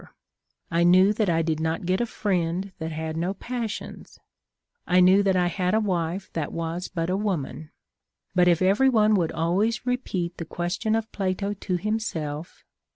'r ; I knew that I did not get a friend that had no passiims ; I knew that I had a wife that was but a woman. But if every one would always repeat the question of Plato to himself.